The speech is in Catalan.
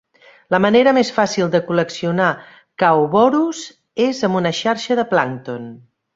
La manera més fàcil de col·leccionar chaoborus és amb una xarxa de plàncton.